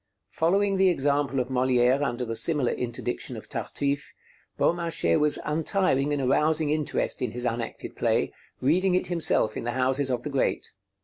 Following the example of Molière under the similar interdiction of 'Tartuffe,' Beaumarchais was untiring in arousing interest in his unacted play, reading it himself in the houses of the great.